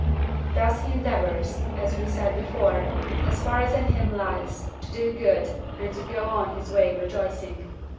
Thus he endeavours, as we said before, as far as in him lies, to do good, and to go on his way rejoicing.